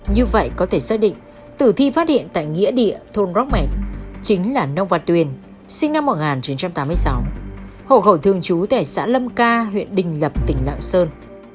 như vậy có thể xác định tử thi phát hiện tại nghĩa địa thôn rockman chính là nông văn tuyền sinh năm một nghìn chín trăm tám mươi sáu hộ khẩu thường trú tại xã lâm ca huyện đình lập tỉnh lạng sơn